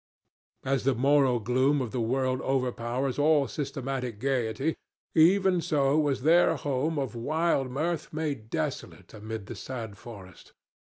As the moral gloom of the world overpowers all systematic gayety, even so was their home of wild mirth made desolate amid the sad forest.